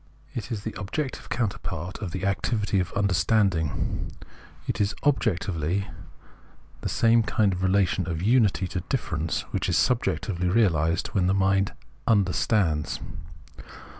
It is the objective counterpart of the activity of "understanding "; it is objectively the same kind of relation of unity to differences which is subjectively realised when the mind "understands."